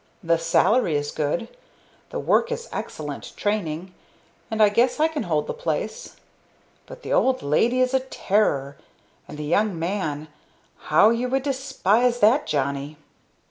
The salary is good, the work is excellent training, and I guess I can hold the place. But the old lady is a terror, and the young man how you would despise that Johnny!"